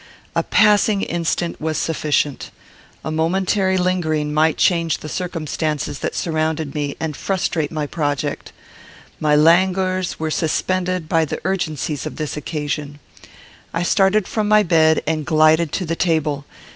A passing instant was sufficient. A momentary lingering might change the circumstances that surrounded me, and frustrate my project. My languors were suspended by the urgencies of this occasion. I started from my bed and glided to the table.